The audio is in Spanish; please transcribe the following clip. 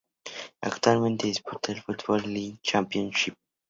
Actualmente, disputa el Football League Championship.